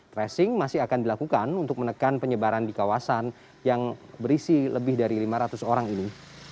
tracing masih akan dilakukan untuk menekan penyebaran di kawasan yang berisi lebih dari lima ratus orang ini